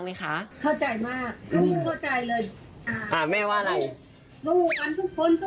ไม่ไปได้มิไม่เอาไม่ออก